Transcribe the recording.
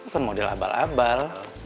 kan model abal abal